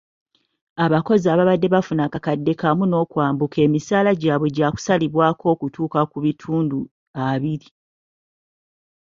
Abakozi ababadde bafuna akakadde kamu n'okwambuka emisaala gyabwe gyakusalibwako okutuuka ku bitundu abiri.